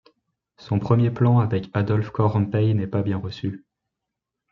Son premier plan avec Adolf Korompay n'est pas bien reçu.